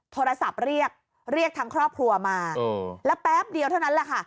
โทรศัพท์เรียกเรียกทั้งครอบครัวมาแล้วแป๊บเดียวเท่านั้นแหละค่ะ